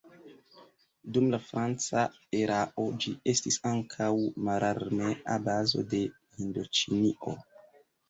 Dum la franca erao ĝi estis ankaŭ mararmea bazo de Hindoĉinio.